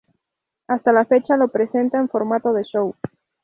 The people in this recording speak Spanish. Hasta la fecha lo presenta en formato de show.